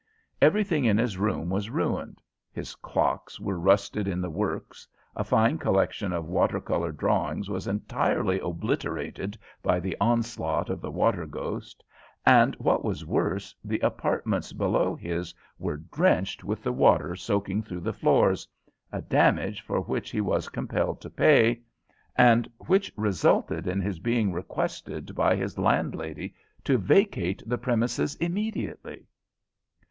Everything in his rooms was ruined his clocks were rusted in the works; a fine collection of water color drawings was entirely obliterated by the onslaught of the water ghost; and what was worse, the apartments below his were drenched with the water soaking through the floors, a damage for which he was compelled to pay, and which resulted in his being requested by his landlady to vacate the premises immediately.